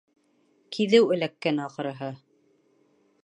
— Киҙеү эләккән, ахырыһы.